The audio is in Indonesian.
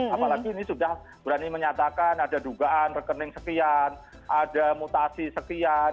apalagi ini sudah berani menyatakan ada dugaan rekening sekian ada mutasi sekian